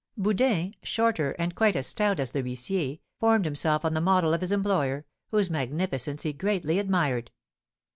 Bourdin, shorter and quite as stout as the huissier, formed himself on the model of his employer, whose magnificence he greatly admired.